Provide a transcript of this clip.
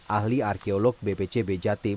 ahli arkeolog bpcb jatim